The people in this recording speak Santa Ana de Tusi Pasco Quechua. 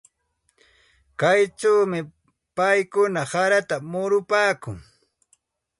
Kaychawmi paykuna harata murupaakun.